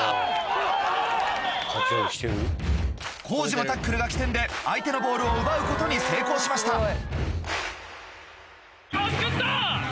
コージのタックルが起点で相手のボールを奪うことに成功しました。